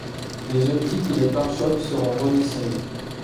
Les optiques et les pare-choques seront redessinés.